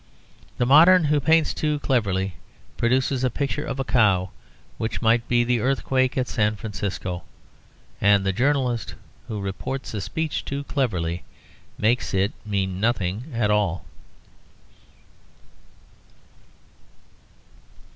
The modern who paints too cleverly produces a picture of a cow which might be the earthquake at San Francisco. And the journalist who reports a speech too cleverly makes it mean nothing at all.